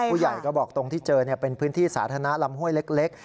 ผู้ใหญ่ก็บอกตรงที่เจอเป็นพื้นที่สาธารณะลำห้วยเล็ก